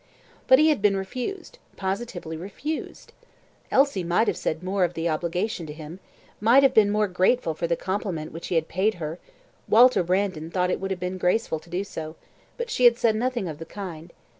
But he had been refused positively refused. Elsie might have said more of the obligation to him might have been more grateful for the compliment which he had paid to her Walter Brandon thought it would have been graceful to do so; but she said nothing of the kind.